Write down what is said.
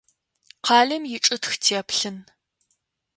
Къалэм ичӏытх теплъын.